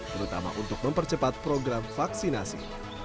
terutama untuk mempercepat program vaksinasi